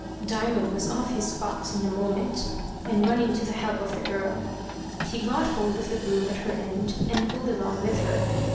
Diamond was off his box in a moment, and running to the help of the girl. He got hold of the broom at her end and pulled along with her.